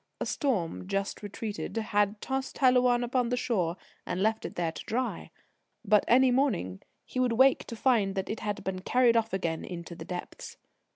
A storm, just retreated, had tossed Helouan upon the shore and left it there to dry; but any morning he would wake to find it had been carried off again into the depths.